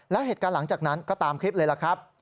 แล้วเหตุการณ์หลังจากนั้นก็ตามคลิปเลยล่ะครับ